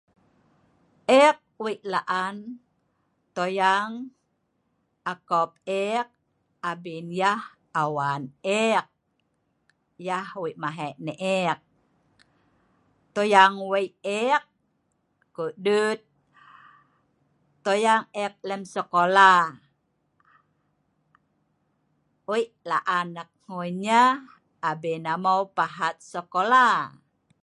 Eek wei laan toyang akoop eek abien yeh awan eek. Yeh wei mahe’ nah eek. Toyang wei eek , ko duet toyang eek lem sekolah wei laan eek nguui nyeh abien amaeu pahaat sekola